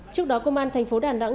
trước đó công an thành phố đà nẵng